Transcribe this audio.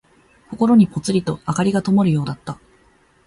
心にぽつりと灯がともるようだった。